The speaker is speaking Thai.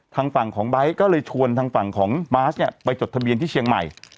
ทางฝั่งของไบท์ก็เลยชวนทางฝั่งของบาสเนี่ยไปจดทะเบียนที่เชียงใหม่